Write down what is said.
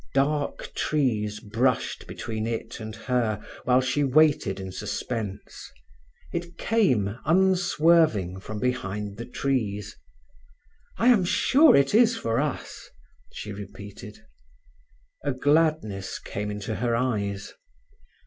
Dark trees brushed between it and her, while she waited in suspense. It came, unswerving, from behind the trees. "I am sure it is for us," she repeated. A gladness came into her eyes.